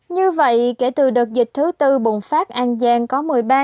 như vậy kể từ đợt dịch thứ tư bùng phát an giang có một mươi ba năm trăm ba mươi sáu